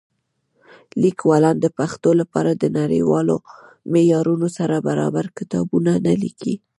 لیکوالان د پښتو لپاره د نړیوالو معیارونو سره برابر کتابونه نه لیکي.